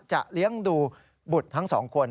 เลี้ยงดูบุตรทั้งสองคน